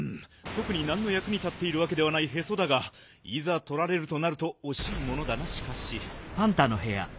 とくになんのやくに立っているわけではないへそだがいざとられるとなるとおしいものだなしかし。